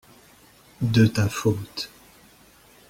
De ta faute.